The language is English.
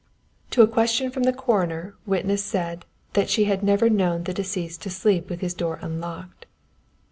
_ "_To a question from the coroner witness said that she had never known the deceased to sleep with his door unlocked.